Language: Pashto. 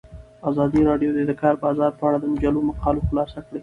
ازادي راډیو د د کار بازار په اړه د مجلو مقالو خلاصه کړې.